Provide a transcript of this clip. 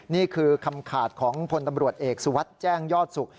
นี่คือคำขาดของพลตำรวจเอกสุวัสดิ์แจ้งยอดสุข